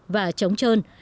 và chống trơn